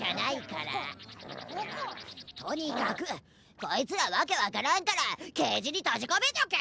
とにかくこいつらわけわからんからケージにとじこめとけ！